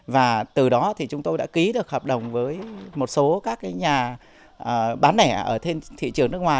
và từ đó thì chúng tôi đã ký được hợp đồng với một số các nhà bán lẻ ở trên thị trường nước ngoài